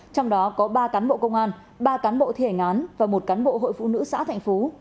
trong đó có ba cán bộ công an ba cán bộ thi hành án và một cán bộ hội phụ nữ xã thành phú